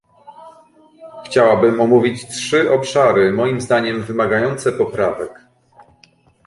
Chciałbym omówić trzy obszary moim zdaniem wymagające poprawek